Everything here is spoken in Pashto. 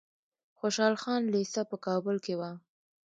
خوشحال خان لیسه په کابل کې وه.